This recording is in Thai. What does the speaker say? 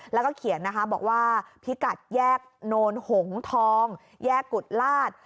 แล้วก็เขียนนะคะบอกว่าพิกัดแยกโนนหงทองแยกกุฎลาศ